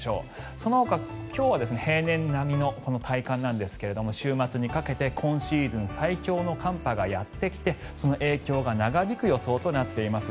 そのほか、今日は平年並みの体感なんですが週末にかけて今シーズン最強の寒波がやってきてその影響が長引く予想となっています。